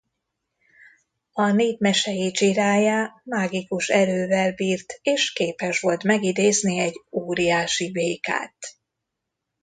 A népmesei Dzsiraija mágikus erővel bírt és képes volt megidézni egy óriási békát.